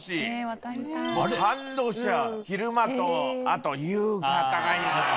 昼間とあと夕方がいいのよね。